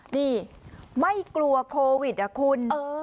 นี่ไม่กลัวโควิดอ่ะคุณ